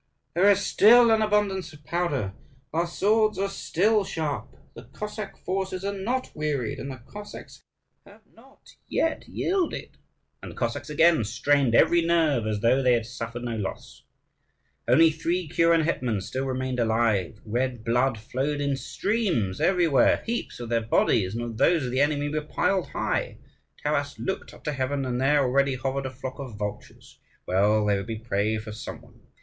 "There is still an abundance of powder; our swords are still sharp; the Cossack forces are not wearied, and the Cossacks have not yet yielded." And the Cossacks again strained every nerve, as though they had suffered no loss. Only three kuren hetmans still remained alive. Red blood flowed in streams everywhere; heaps of their bodies and of those of the enemy were piled high. Taras looked up to heaven, and there already hovered a flock of vultures. Well, there would be prey for some one.